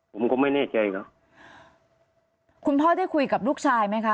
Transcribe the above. ผมก็ไม่แน่ใจครับคุณพ่อได้คุยกับลูกชายไหมคะ